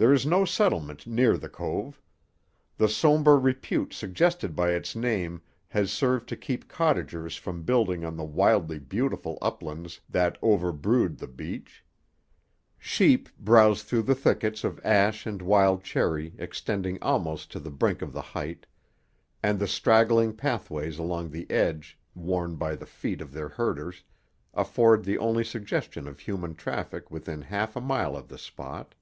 There is no settlement near the cove. The somber repute suggested by its name has served to keep cottagers from building on the wildly beautiful uplands that overbrood the beach. Sheep browse between the thickets of ash and wild cherry extending almost to the brink of the height, and the straggling pathways along the edge, worn by the feet of their herders, afford the only suggestion of human traffic within half a mile of the spot.